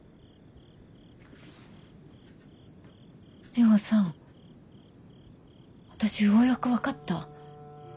ミホさん私ようやく分かった。